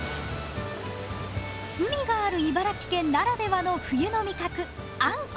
海がある茨城県ならではの冬の味覚あんこう。